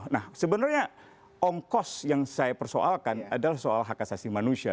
nah sebenarnya ongkos yang saya persoalkan adalah soal hak asasi manusia